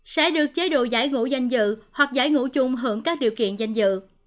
sẽ được chế độ giải ngũ danh dự hoặc giải ngũ chung hưởng các điều kiện danh dự